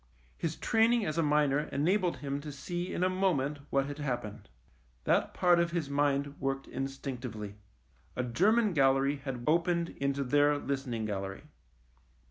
His training as a miner enabled him to see in a moment what had happened. That part of his mind worked instinctively. A German gallery had opened into their listening gallery.